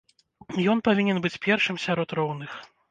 Ён павінен быць першым сярод роўных.